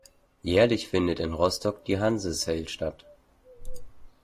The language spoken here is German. Jährlich findet in Rostock die Hanse Sail statt.